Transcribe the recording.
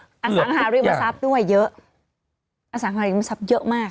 อสังหาริมทรัพย์ด้วยเยอะอสังหาริมทรัพย์เยอะมาก